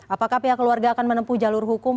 apakah pihak keluarga akan menempuh jalur hukum